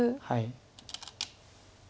はい。